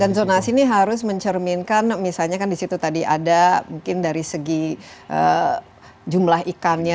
dan zonasi ini harus mencerminkan misalnya kan di situ tadi ada mungkin dari segi jumlah ikannya